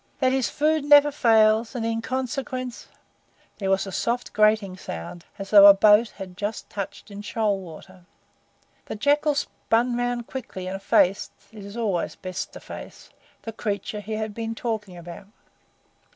"That his food never fails, and in consequence " There was a soft grating sound, as though a boat had just touched in shoal water. The Jackal spun round quickly and faced (it is always best to face) the creature he had been talking about.